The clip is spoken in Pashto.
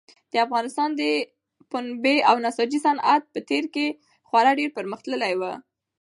د افغانستان د پنبې او نساجي صنعت په تېر کې خورا ډېر پرمختللی و.